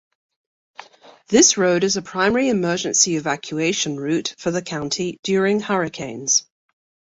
This road is a primary emergency evacuation route for the county during hurricanes.